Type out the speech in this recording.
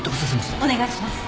お願いします。